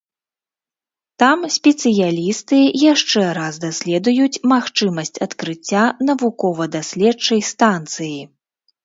Там спецыялісты яшчэ раз даследуюць магчымасць адкрыцця навукова-даследчай станцыі.